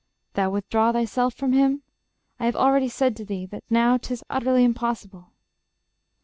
_ Thou withdraw thyself From him? I have already said to thee That now 'tis utterly impossible.